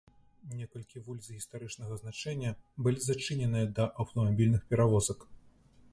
Некалькі вуліц гістарычнага значэння былі зачыненыя да аўтамабільных перавозак.